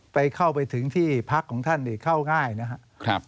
เข้าไปถึงที่พักของท่านเข้าง่ายนะครับ